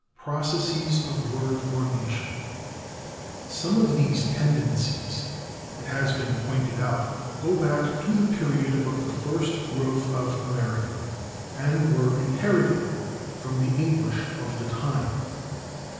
§ 5 /Processes of Word Formation/ Some of these tendencies, it has been pointed out, go back to the period of the first growth of American, and were inherited from the English of the time.